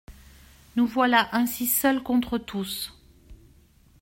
Nous voilà ainsi seuls contre tous.